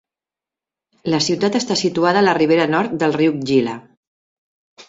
La ciutat està situada a la ribera nord del riu Gila.